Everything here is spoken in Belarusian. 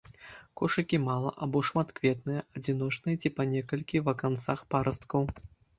Кошыкі мала- або шматкветныя, адзіночныя ці па некалькі ва канцах парасткаў.